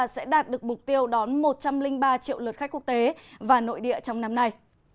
sẽ đạt được mục tiêu đón một trăm linh ba triệu lượt khách quốc tế và nội địa trong năm nay